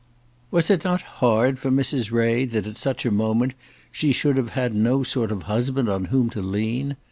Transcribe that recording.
Was it not hard for Mrs. Ray that at such a moment she should have had no sort of husband on whom to lean?